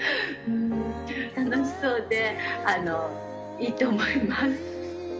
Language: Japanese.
楽しそうで、いいと思います。